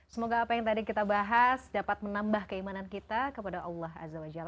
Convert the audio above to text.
semoga apa yang tadi kita bahas dapat menambah keimanan kita kepada allah azawajal